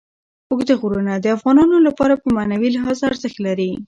اوږده غرونه د افغانانو لپاره په معنوي لحاظ ارزښت لري.